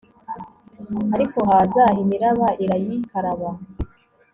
ariko haza imiraba irayikaraba